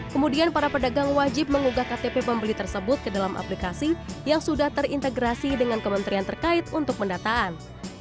kemudian para pedagang wajib mengugah ktp pembeli tersebut ke dalam aplikasi yang sudah terintegrasi dengan kementerian terkait untuk pendataan